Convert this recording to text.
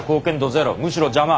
ゼロむしろ邪魔。